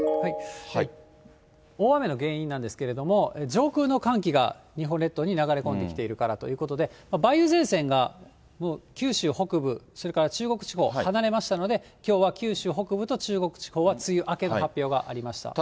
大雨の原因なんですけれども、上空の寒気が日本列島に流れ込んできているからということで、梅雨前線がもう九州北部、それから中国地方、離れましたので、きょうは九州北部と中国地方は梅雨明けの発表がありました。